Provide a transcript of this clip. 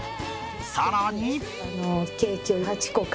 さらに